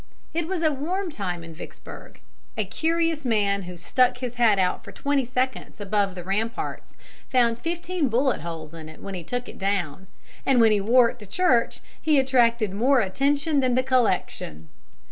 It was a warm time in Vicksburg; a curious man who stuck his hat out for twenty seconds above the ramparts found fifteen bullet holes in it when he took it down, and when he wore it to church he attracted more attention than the collection.